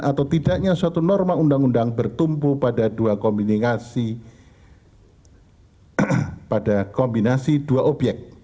atau tidaknya suatu norma undang undang bertumpu pada dua kombinasi pada kombinasi dua obyek